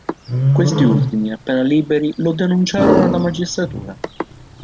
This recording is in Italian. Questi ultimi appena liberi lo denunciarono alla magistratura.